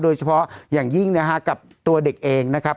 โดยเฉพาะอย่างยิ่งนะฮะกับตัวเด็กเองนะครับ